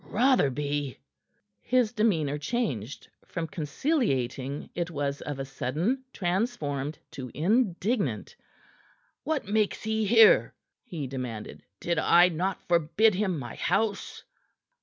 "Rotherby?" His demeanor changed; from conciliating it was of a sudden transformed to indignant. "What makes he here?" he demanded. "Did I not forbid him my house?"